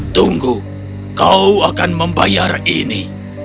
tunggu kau akan membayar ini